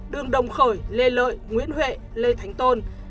đường đồng khởi lê lợi nguyễn huệ lê thánh tôn